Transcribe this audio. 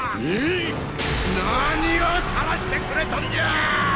何をさらしてくれとんじゃァ！！